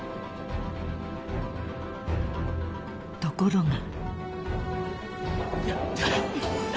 ［ところが］